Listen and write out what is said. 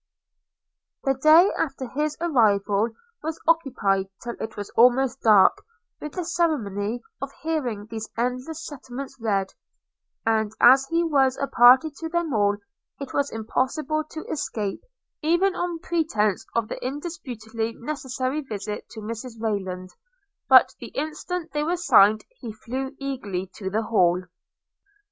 The day after his arrival was occupied till it was almost dark, with the ceremony of hearing these endless settlements read; and, as he was a party to them all, it was impossible to escape, even on pretence of the indisputably necessary visit to Mrs Rayland; but the instant they were signed he flew eagerly to the Hall.